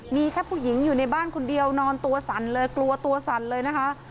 มีแค่ผู้หญิงอยู่ในบ้านคนเดียวนอนตัวสั่นเลยกลัวตัวสั่นเลยนะคะ